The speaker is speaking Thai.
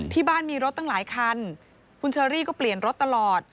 ที่บ้านมีรถตั้งหลายคันคุณเชอรี่ก็เปลี่ยนรถตลอด